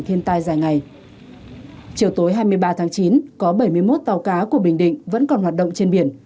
thiên tai dài ngày chiều tối hai mươi ba tháng chín có bảy mươi một tàu cá của bình định vẫn còn hoạt động trên biển